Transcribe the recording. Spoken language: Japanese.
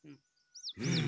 うん。